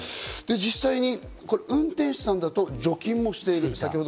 実際に運転手さんだと除菌もしていた。